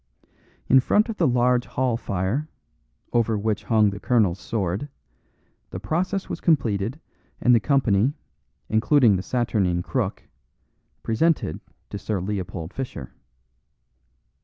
In front of the large hall fire, over which hung the colonel's sword, the process was completed and the company, including the saturnine Crook, presented to Sir Leopold Fischer.